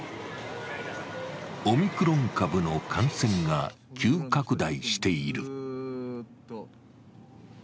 オミクロン株の感染が急拡大している。